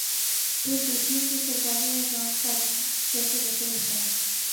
پھر دیکھیں کہ سرکاری نظام تعلیم کیسے بہتر ہوتا ہے۔